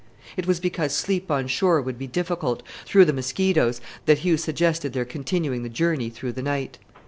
It was because sleep on shore would be difficult, through the mosquitoes, that Hugh suggested their continuing the journey through the night.